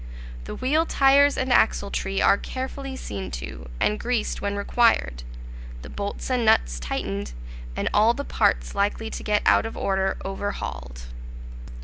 The wheel tires and axletree are carefully seen to, and greased when required, the bolts and nuts tightened, and all the parts likely to get out of order overhauled.